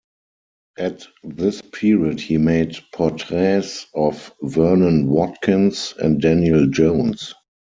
At this period he made portraits of Vernon Watkins and Daniel Jones.